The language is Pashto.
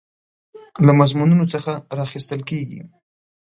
له مضمونونو څخه راخیستل کیږي.